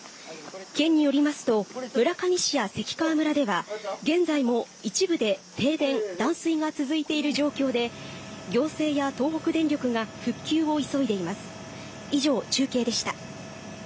県によりますと、村上市や関川村では、現在も一部で停電、断水が続いている状況で、行政や東北電力が復旧を急いでいます。